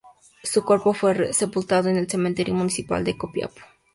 Su cuerpo fue sepultado en el Cementerio Municipal de Copiapó.